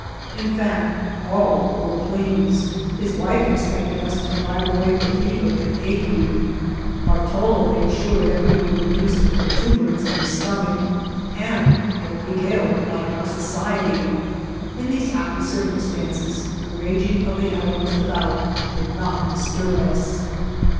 In &ct| all were pleased. His wife expected us to drive away her fever and agne ; Bartalo made sure that we would reduce the protuberance ci his stomach ; and Don Miguel liked our society. In these happy circumstances, the raging of the elements with* out did not disturb us.